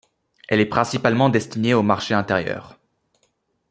Elle est principalement destinée au marché intérieur.